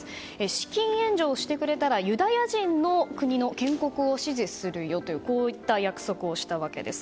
資金援助をしてくれたらユダヤ人の国の建国を支持するよという約束をしたわけです。